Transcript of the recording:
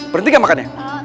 berhenti gak makan ya